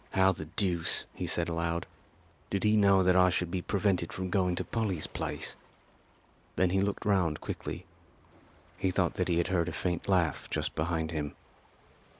"How the deuce," he said aloud, "did he know that I should be prevented from going to Polly's place?" Then he looked round quickly. He thought that he had heard a faint laugh just behind him.